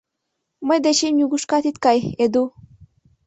— Мый дечем нигушкат ит кай, Эду!